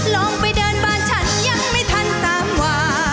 ลองไปเดินบ้านฉันยังไม่ทันตามวา